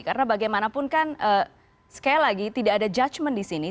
karena bagaimanapun kan sekali lagi tidak ada judgement di sini